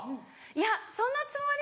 いやそんなつもり。